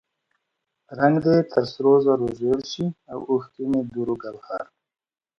رنګ دې تر سرو زرو زیړ شي او اوښکې مې دُر و ګوهر.